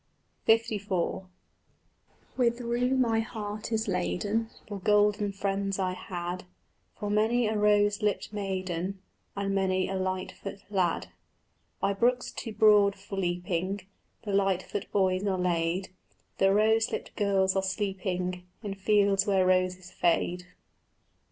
LIV With rue my heart is laden For golden friends I had, For many a rose lipt maiden And many a lightfoot lad. By brooks too broad for leaping The lightfoot boys are laid; The rose lipt girls are sleeping In fields where roses fade.